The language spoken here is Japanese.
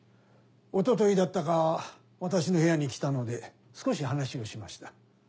一昨日だったか私の部屋に来たので少し話をしました。